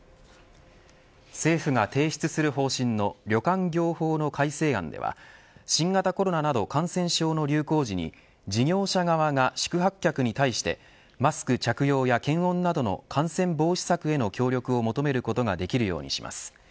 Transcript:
政府が提出する方針の旅館業法の改正案では新型コロナなど感染症の流行時に事業者側が宿泊客に対してマスク着用や検温などの感染防止策への協力を求めることができるようにします。